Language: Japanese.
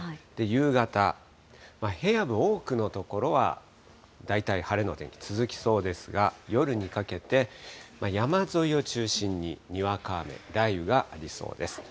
夕方、平野部、多くの所は大体晴れの天気、続きそうですが、夜にかけて、山沿いを中心ににわか雨、雷雨がありそうです。